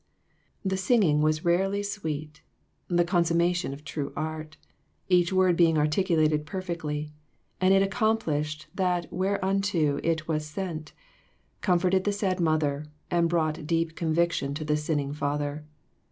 The singing was rarely sweet, the consumma tion of true art ; each word being articulated per fectly ; and it accomplished that whereunto it was sent ; comforted the sad mother and brought deep conviction to the sinning father.